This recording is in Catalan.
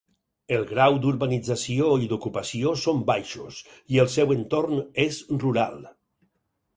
El grau d'urbanització i d'ocupació són baixos i el seu entorn és rural.